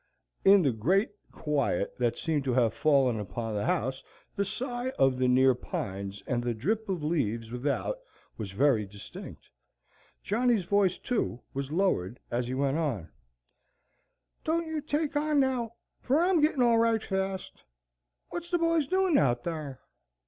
In the great quiet that seemed to have fallen upon the house the sigh of the near pines and the drip of leaves without was very distinct. Johnny's voice, too, was lowered as he went on, "Don't you take on now, fur I'm gettin' all right fast. Wot's the boys doin' out thar?"